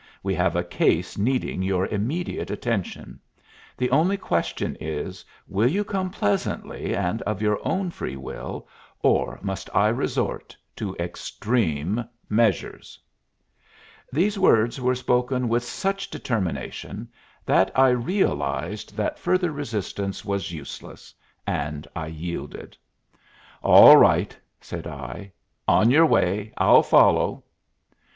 We have a case needing your immediate attention. The only question is, will you come pleasantly and of your own free will, or must I resort to extreme measures?" These words were spoken with such determination that I realized that further resistance was useless, and I yielded. "All right," said I. "On your way. I'll follow."